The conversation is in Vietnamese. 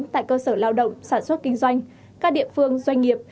tại cơ sở lao động sản xuất kinh doanh các địa phương doanh nghiệp